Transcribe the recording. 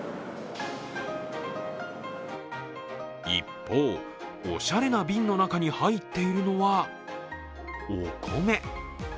一方、おしゃれな瓶の中に入っているのは、お米。